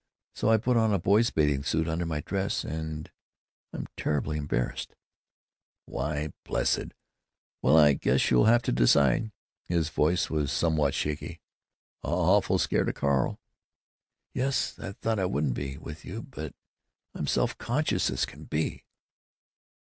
So I put on a boy's bathing suit under my dress—and—I'm terribly embarrassed." "Why, blessed——Well, I guess you'll have to decide." His voice was somewhat shaky. "Awful scared of Carl?" "Yes! I thought I wouldn't be, with you, but I'm self conscious as can be."